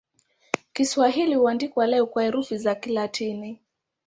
Kiswahili huandikwa leo kwa herufi za Kilatini.